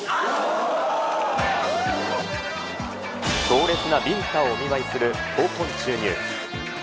強烈なビンタをお見舞いする闘魂注入。